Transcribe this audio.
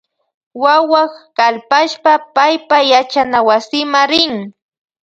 Wawak kalpashpa paypa yachanawasima rin.